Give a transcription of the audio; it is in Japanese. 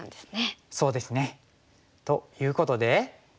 そうですね。ということで。